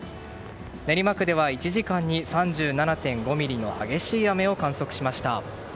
練馬区では１時間に３７．５ミリの激しい雨を観測しました。